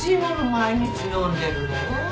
毎日飲んでるの？